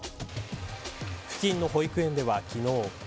付近の保育園では昨日。